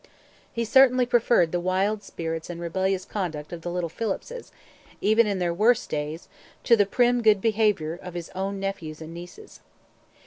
He certainly preferred the wild spirits and rebellious conduct of the little Phillipses, even in their worst days, to the prim good child behaviour of his own nephews and nieces.